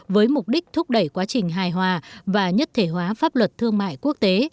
với mục đích thúc đẩy quá trình hài hòa và nhất thể hóa pháp luật thương mại quốc tế